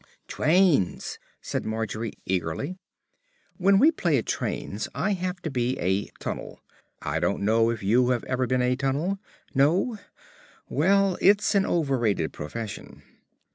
"Trains," said Margery eagerly. When we play at trains I have to be a tunnel. I don't know if you have ever been a tunnel? No; well, it's an over rated profession.